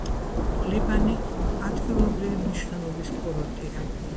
ლიბანი ადგილობრივი მნიშვნელობის კურორტია.